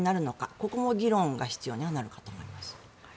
ここも議論が必要になるかと思います。